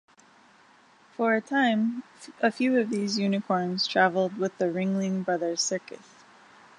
For a time, a few of these unicorns travelled with the Ringling Brothers Circus.